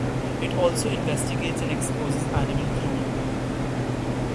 It also investigates and exposes animal cruelty.